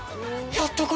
やっとこ？